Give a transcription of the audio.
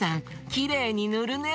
きれいにぬるね。